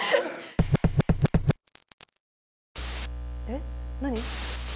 えっ何？